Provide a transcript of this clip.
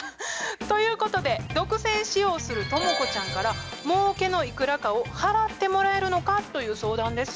ということで独占使用するトモコちゃんからもうけのいくらかを払ってもらえるのかという相談です。